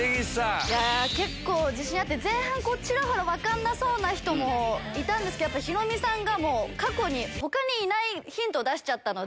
いや、結構自信あって、前半、こっちのほう、分かんなそうな人もいたんですけど、やっぱりヒロミさんが、もう、過去にほかにいないヒント出しちゃったので。